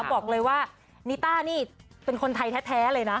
บอกเลยว่านิต้านี่เป็นคนไทยแท้เลยนะ